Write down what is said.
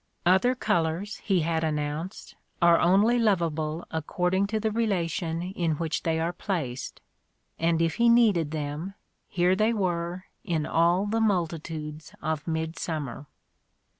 "Other colours" he had announced, are only lovable according to the relation in which they are placed ;" and if he needed them, here they were, in all the multitudes of midsummer.